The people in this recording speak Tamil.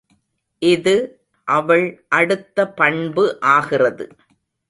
இது அவள் அடுத்த பண்பு ஆகிறது.